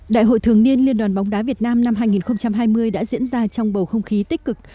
đại hội thường niên liên đoàn bóng đá việt nam năm hai nghìn hai mươi đã diễn ra trong bầu không khí tích cực